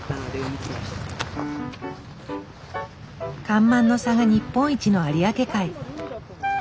干満の差が日本一の有明海。